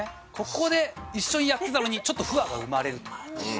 ここで一緒にやってたのにちょっと不和が生まれると。